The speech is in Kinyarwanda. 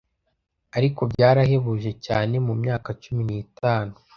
Ariko byarahebuje cyane mumyaka cumi n'itanu